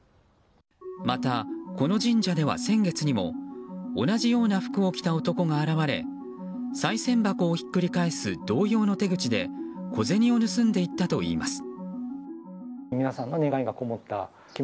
また、この神社では先月にも同じような服を着た男が現れさい銭箱をひっくり返す同様の手口で小銭を盗んでいったといいます。